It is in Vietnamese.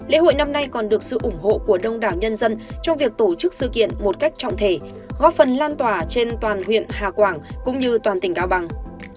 lễ hội năm nay còn được sự ủng hộ của đông đảo nhân dân trong việc tổ chức sự kiện một cách trọng thể góp phần lan tỏa trên toàn huyện hà quảng cũng như toàn tỉnh cao bằng